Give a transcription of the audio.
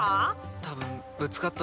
多分ぶつかった時に。